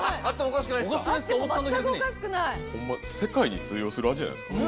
ほんま世界に通用する味じゃないですか？